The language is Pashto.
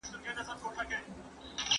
دوی بايد له ځايي خلګو سره ښې اړيکې ولري.